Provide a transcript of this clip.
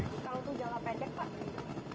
jangan jalan pendek pak